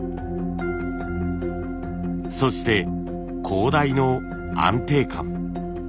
そして高台の安定感。